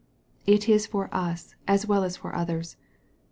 It is for us, as well as for others.